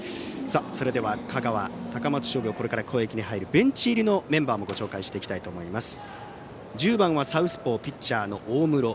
それでは香川・高松商業これから攻撃に入るベンチ入りメンバーもご紹介していきます。